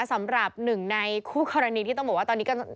สำหรับหนึ่งในคู่กรณีที่ต้องบอกว่าตอนนี้ก็